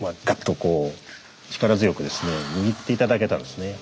こう力強くですね握って頂けたんですね。